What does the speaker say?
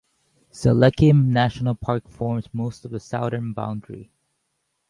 Strzelecki National Park forms most of the southern boundary.